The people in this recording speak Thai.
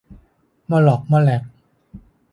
ม่อล่อกม่อแล่ก